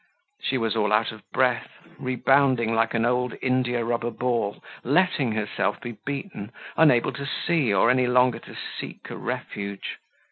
She was all out of breath, rebounding like an india rubber ball, letting herself be beaten, unable to see or any longer to seek a refuge.